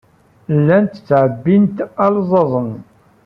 Llant ttɛebbint alzazen.